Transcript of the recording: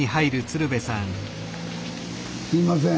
すいません。